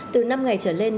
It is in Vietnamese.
từ năm ngày trở lên